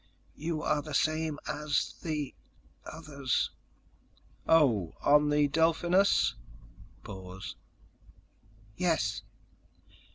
"You are the same as the ... others." "Oh, on the Delphinus?" Pause. "Yes."